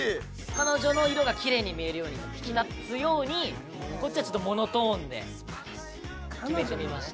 彼女の色がきれいに見えるように引き立つようにこっちはちょっとモノトーンで決めてみました。